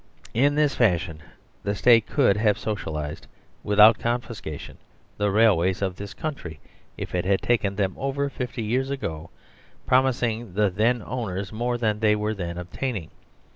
In this fashion the State could have "socialised " without confiscation the railways of this country if it had taken them over fifty years ago, promising the then owners more than they were then obtaining.